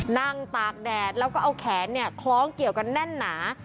นั่งตากแดดแล้วก็เอาแขนคล้องเกี่ยวกันแน่นหนา